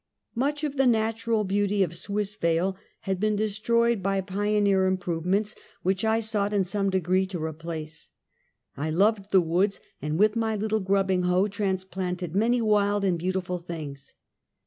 Much of the natural beauty of Swissvale had been destroyed by pioneer improvements, which I sought in some degree to replace. I loved the woods, and with my little grubbing hoe transplanted many wild and beautiful things.